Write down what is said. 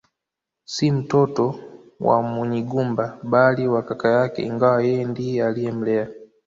Si mtoto wa Munyigumba bali wa kaka yake ingawa yeye ndiye aliyemlea